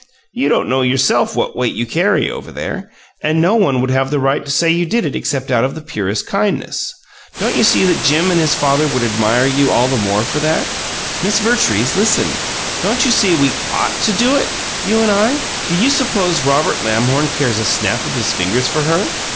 You don't know yourself what weight you carry over there, and no one would have the right to say you did it except out of the purest kindness. Don't you see that Jim and his father would admire you all the more for it? Miss Vertrees, listen! Don't you see we OUGHT to do it, you and I? Do you suppose Robert Lamhorn cares a snap of his finger for her?